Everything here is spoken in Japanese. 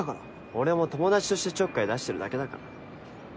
俺も友達としてちょっかい出してるだけだから。